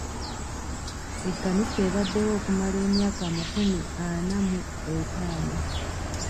Ekkanisa ebaddewo okumala emyaka amakumi ana mu etaano.